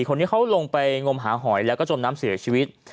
คนนี้เขาลงไปงมหาหอยแล้วก็จมน้ำเสียชีวิต